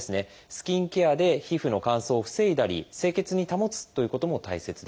スキンケアで皮膚の乾燥を防いだり清潔に保つということも大切です。